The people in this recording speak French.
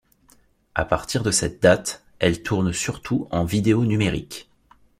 À partir de cette date, elle tourne surtout en vidéo numérique.